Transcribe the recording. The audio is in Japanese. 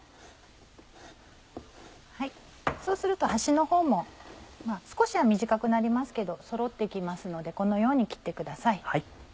そうすると端のほうも少しは短くなりますけどそろって来ますのでこのように切ってください。